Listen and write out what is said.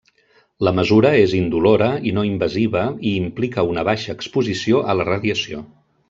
La mesura és indolora i no invasiva i implica una baixa exposició a la radiació.